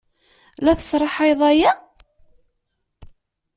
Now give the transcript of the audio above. La tesraḥayed aya?